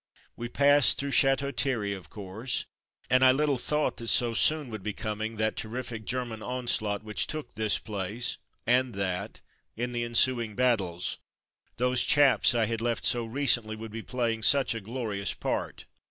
We passed through Chateau Thierry, of course, and I little thought that so soon would be coming that terrific German onslaught which took this place, and that, in the ensuing battles, those chaps I had left so recently would be playing such a glorious part.